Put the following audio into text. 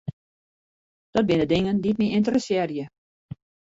Dat binne dingen dy't my ynteressearje.